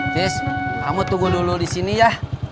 sis kamu tunggu dulu disini ya